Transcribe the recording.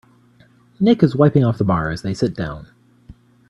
Nick is wiping off the bar as they sit down.